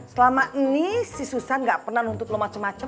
selama ini si susan nggak pernah nuntut lo macem macem